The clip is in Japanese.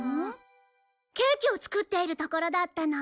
ケーキを作っているところだったの。